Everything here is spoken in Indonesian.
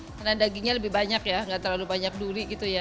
karena dagingnya lebih banyak ya nggak terlalu banyak duri gitu ya